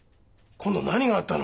今度は何があったの？